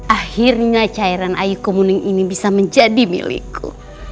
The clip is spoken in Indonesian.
akhirnya cairan ayu kumuning ini bisa menjadi milikku